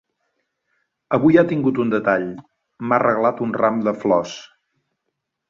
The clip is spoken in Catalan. Avui ha tingut un detall: m'ha regalat un ram de flors.